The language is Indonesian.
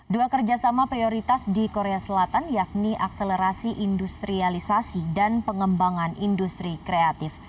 dua kerjasama prioritas di korea selatan yakni akselerasi industrialisasi dan pengembangan industri kreatif